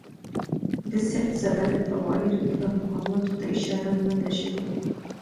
د سید صدارت او عالي رتبه مقاماتو ته اشاره نه ده شوې.